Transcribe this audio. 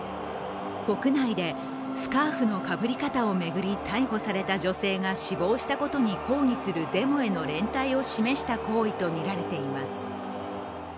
国内でスカーフのかぶり方を巡り逮捕された女性が死亡したことに抗議するデモへの連帯を示した行為とみられています。